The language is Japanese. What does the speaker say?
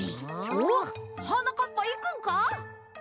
おっはなかっぱいくんか？